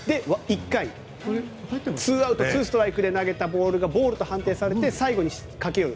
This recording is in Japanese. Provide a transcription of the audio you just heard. １回、２アウト２ストライクで投げたボールがボールと判定されて最後に駆け寄る。